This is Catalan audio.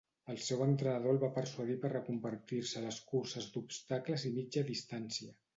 El seu entrenador el va persuadir per reconvertir-se a les curses d'obstacles i mitja distància.